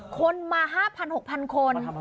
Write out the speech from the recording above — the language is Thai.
คนมา๕๐๐๖๐๐คน